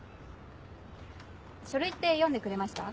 書類って読んでくれました？